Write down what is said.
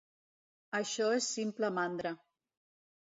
Això és simple mandra.